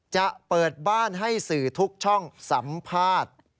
จะเปิดบ้านให้สื่อทุกช่องสัมภาษณ์